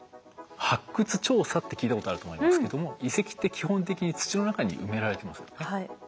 発掘調査って聞いたことあると思いますけども遺跡って基本的に土の中に埋められてますよね。